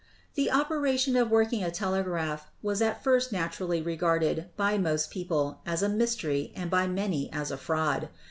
The operation of working a telegraph was at first nat urally regarded by most people as a mystery and by many as a fraud.